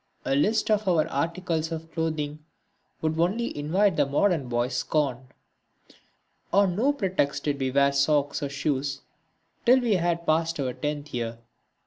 A list of our articles of clothing would only invite the modern boy's scorn. On no pretext did we wear socks or shoes till we had passed our tenth year.